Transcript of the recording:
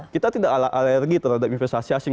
kita tidak alergi terhadap investasi asing